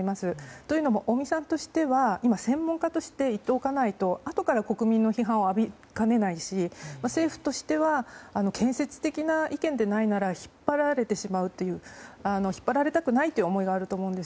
というのも尾身さんとしては今、専門家として言っておかないとあとから国民の批判を浴びかねないし政府としては建設的な意見でないなら引っ張られたくないという思いがあると思います。